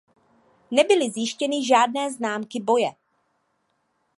Nebyly zjištěny žádné známky boje.